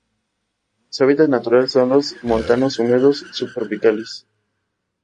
Su hábitat natural son los montanos húmedos subtropicales.